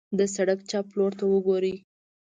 د سړک چپ لورته وګورئ.